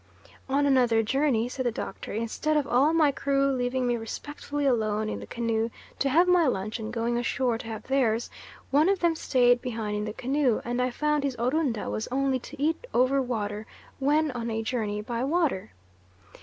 "On another journey," said the Doctor, "instead of all my crew leaving me respectfully alone in the canoe to have my lunch and going ashore to have theirs, one of them stayed behind in the canoe, and I found his Orunda was only to eat over water when on a journey by water."